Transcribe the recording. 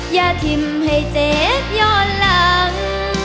อย่าทิ้มให้เจ๊ย้อนหลัง